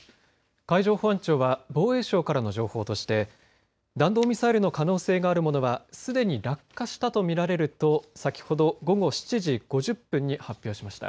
海上保安庁は防衛省からの情報として弾道ミサイルの可能性があるものはすでに落下したと見られると先ほど午後７時５０分に発表しました。